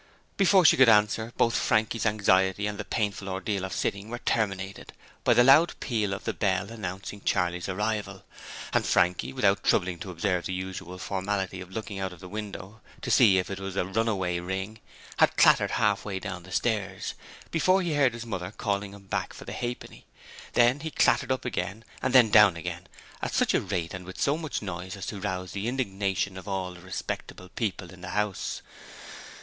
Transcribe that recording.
Before she could answer both Frankie's anxiety and the painful ordeal of sitting still were terminated by the loud peal at the bell announcing Charley's arrival, and Frankie, without troubling to observe the usual formality of looking out of the window to see if it was a runaway ring, had clattered half way downstairs before he heard his mother calling him to come back for the halfpenny; then he clattered up again and then down again at such a rate and with so much noise as to rouse the indignation of all the respectable people in the house.